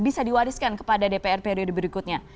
bisa diwariskan kepada dpr periode berikutnya